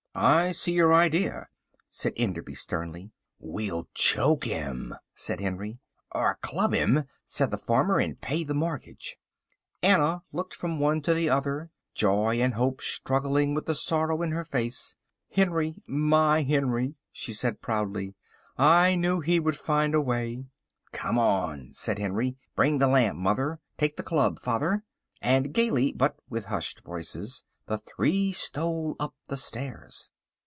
"I see your idea," said Enderby sternly. "We'll choke him," said Henry. "Or club him," said the farmer, "and pay the mortgage." Anna looked from one to the other, joy and hope struggling with the sorrow in her face. "Henry, my Henry," she said proudly, "I knew he would find a way." "Come on," said Henry; "bring the lamp, mother, take the club, father," and gaily, but with hushed voices, the three stole up the stairs.